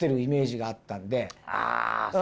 ああ。